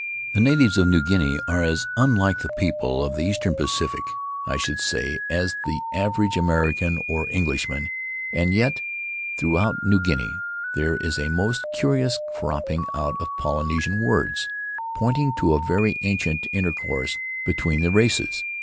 The natives of New Guinea are as unlike the people of the eastern Pacific, I should say, as the average American or Englishman, and yet throughout New Guinea there is a most curious cropping out of Poly nesian words, pointing to a very ancient intercourse between the races.